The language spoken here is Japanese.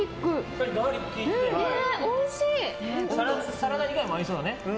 サラダ以外も合いそうだね。